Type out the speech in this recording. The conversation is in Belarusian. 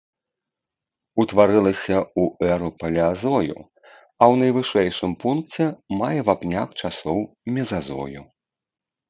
Утварылася ў эру палеазою, а ў найвышэйшым пункце мае вапняк часоў мезазою.